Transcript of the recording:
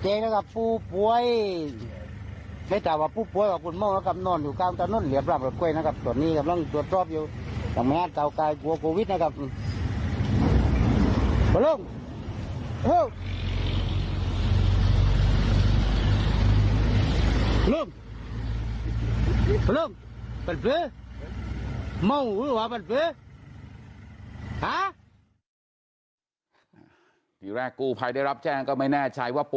เดี๋ยวไปดูนะครับทุกผู้ชมครับ